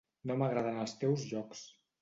No m'agraden els teus jocs.